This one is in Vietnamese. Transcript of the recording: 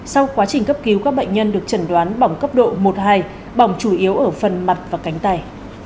sau quá trình cấp cứu các bệnh nhân được chẩn đoán bỏng cấp độ một hai bỏng chủ yếu ở phần mặt và cánh tay